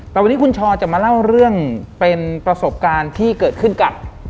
แต่วันนี้คุณชอจะมาเล่าเรื่องเป็นประสบการณ์ที่เกิดขึ้นกับ